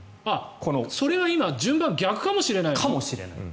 それは今順番が逆かもしれない？